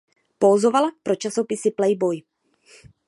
Pózovala pro časopis "Playboy".